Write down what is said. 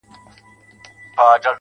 چي له تا مخ واړوي تا وویني.